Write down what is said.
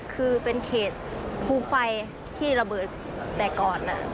คือเป็นเขตภูไฟที่ระเบิดแต่ก่อน